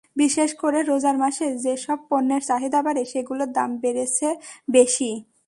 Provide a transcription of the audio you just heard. বিশেষ করে রোজার মাসে যেসব পণ্যের চাহিদা বাড়ে, সেগুলোর দাম বেড়েছে বেশি।